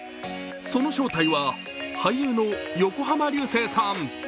その正体は、俳優の横浜流星さん。